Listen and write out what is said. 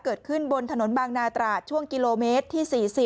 เกิดขึ้นบนถนนบางนาตราช่วงกิโลเมตรที่๔๐